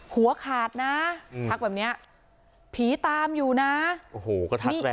หัวขาดนะทักแบบเนี้ยผีตามอยู่นะโอ้โหก็ทักแรง